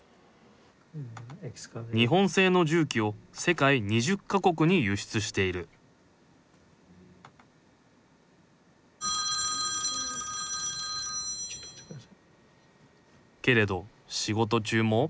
日本製の重機を世界２０か国に輸出しているけれど仕事中も？